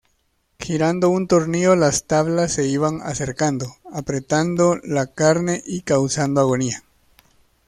Girando un tornillo las tablas se iban acercando, apretando la carne y causando agonía.